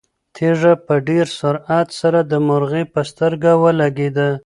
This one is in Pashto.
تیږه په ډېر سرعت سره د مرغۍ په سترګه ولګېده.